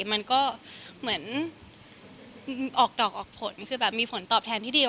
มันก็เหมือนออกดอกออกผลคือแบบมีผลตอบแทนที่ดี